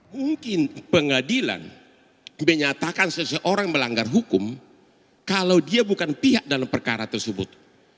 mungkin pengadilan menyatakan seseorang melanggar hukum kalau dia bukan pihak dalam perkara tersebut